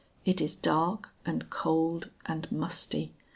It is dark, and cold, and musty.